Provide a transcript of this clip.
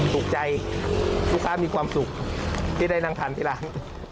ถูกใจลูกค้ามีความสุขที่ได้นั่งทานที่ร้าน